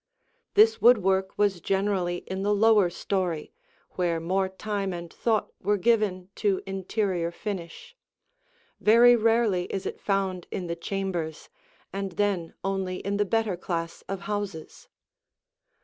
This woodwork was generally in the lower story, where more time and thought were given to interior finish; very rarely is it found in the chambers and then only in the better class of houses.